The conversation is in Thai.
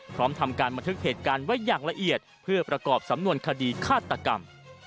พร้อมทำการบันทึกเหตุการณ์ไว้อย่างละเอียดเพื่อประกอบสำนวนคดีฆาตกรรม